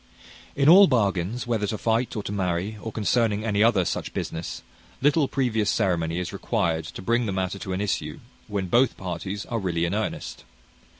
In all bargains, whether to fight or to marry, or concerning any other such business, little previous ceremony is required to bring the matter to an issue when both parties are really in earnest.